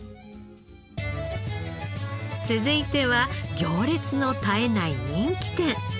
続いては行列の絶えない人気店。